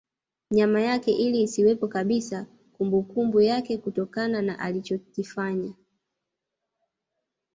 Nyama yake ili isiwepo kabisa kumbukumbu yake kutokana na alichikofanya